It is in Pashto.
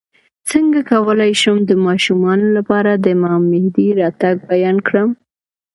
څنګه کولی شم د ماشومانو لپاره د امام مهدي راتګ بیان کړم